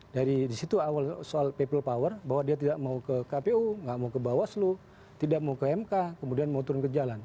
dari situ awal soal people power bahwa dia tidak mau ke kpu tidak mau ke bawaslu tidak mau ke mk kemudian mau turun ke jalan